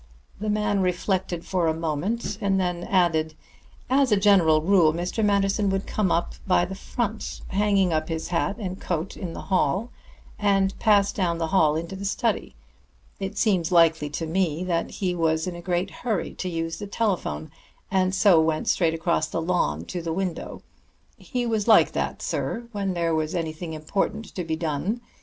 The man reflected for a moment, then added: "As a general rule, Mr. Manderson would come in by the front, hang up his hat and coat in the hall, and pass down the hall into the study. It seems likely to me that he was in a great hurry to use the telephone, and so went straight across the lawn to the window he was like that, sir, when there was anything important to be done.